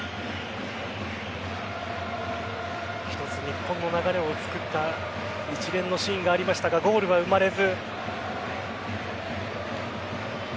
一つ、日本の流れを作った一連のシーンがありましたがゴールは生まれず。